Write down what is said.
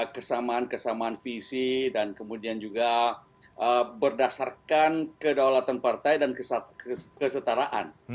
kesamaan kesamaan visi dan kemudian juga berdasarkan kedaulatan partai dan kesetaraan